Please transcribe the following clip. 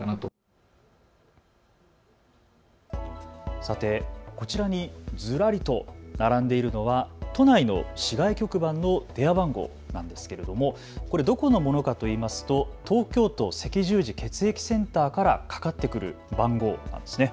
さてこちらにずらりと並んでいるのは都内の市外局番の電話番号なんですけれどもこれ、どこのものかといいますと東京都赤十字血液センターからかかってくる番号なんですね。